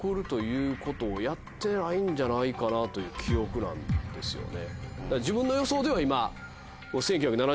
という記憶なんですよね。